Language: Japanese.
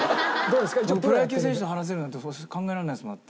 プロ野球選手と話せるなんて考えられないですもんだって。